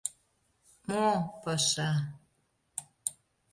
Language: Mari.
— Мо... паша...